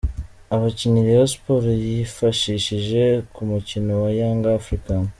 Abakinnyi Rayon Sports yifashishije ku mukino wa Yanga African